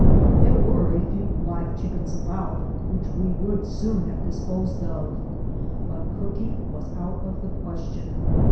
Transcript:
There were a few live chickens about, which we would soon have disposed of, but cooking was out of the question.